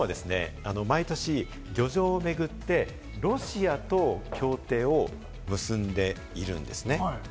日本はですね、毎年、漁場をめぐってロシアと協定を結んでいるんですね。